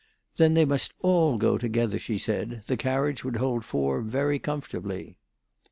Then they must all go together, she said; the carriage would hold four very comfortably.